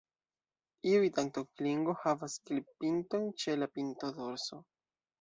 Iuj tanto-klingo havas klip-pinton ĉe la pinto-dorso.